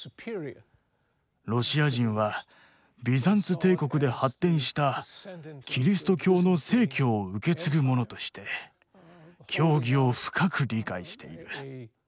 ロシア人はビザンツ帝国で発展したキリスト教の正教を受け継ぐ者として教義を深く理解している。